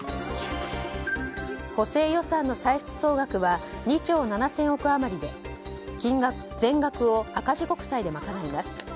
補正予算の歳出総額は２兆７０００億円余りで全額を赤字国債で賄います。